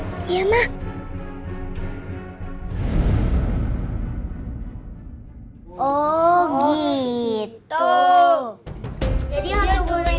jadi hantu bonekanya gak ada